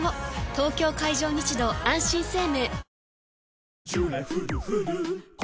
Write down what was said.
東京海上日動あんしん生命